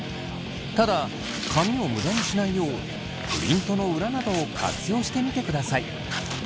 ただ紙を無駄にしないようプリントの裏などを活用してみてください。